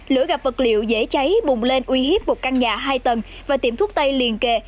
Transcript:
lửa gặp vật liệu dễ cháy bùng lên uy hiếp một căn nhà hai tầng và tiệm thuốc tay liền kề